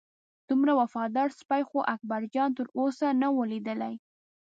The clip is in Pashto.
دومره وفاداره سپی خو اکبرجان تر اوسه نه و لیدلی.